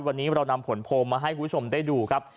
วันนี้เรานำผลโพลมาให้คุณผู้ชมได้ดูครับ